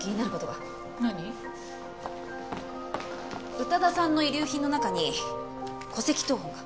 宇多田さんの遺留品の中に戸籍謄本が。